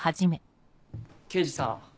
刑事さん